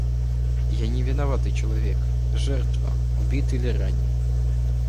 Я, невиноватый человек, жертва — убит или ранен.